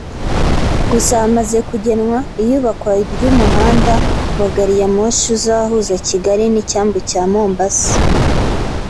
gusa hamaze kugenwa iyubakwa ry’umuhanda wa gari ya moshi izahuza Kigali n’icyambu cya Mombasa